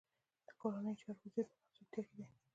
د کورنيو چارو وزير په ناسوبتيا کې دی.